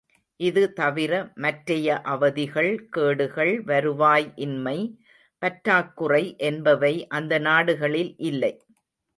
இது தவிர மற்றைய அவதிகள், கேடுகள், வருவாய் இன்மை, பற்றாக்குறை என்பவை அந்த நாடுகளில் இல்லை.